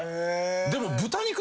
でも。